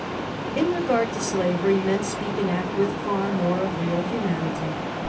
In regard to slavery men speak and act with far more of real humanity.